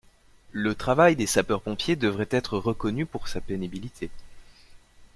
Le travail des sapeurs-pompiers devrait être reconnu pour sa pénibilité.